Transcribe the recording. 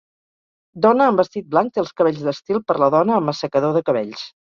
Dona en vestit blanc té els cabells d'estil per la dona amb assecador de cabells.